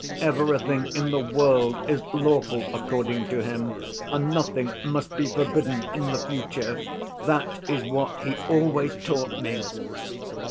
'Everything in the world is lawful according to him, and nothing must be forbidden in the future—that is what he always taught me.